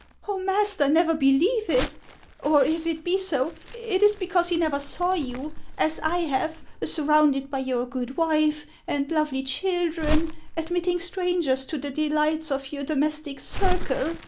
" Oh, master, never believe it ! Or, if it be so, it is because he never saw you, as I have, surrounded by your good wife and lovely children, admitting strangers to the delights of your domestic circle.